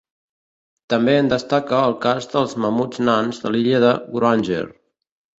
També en destaca el cas dels mamuts nans de l'illa de Wrangel.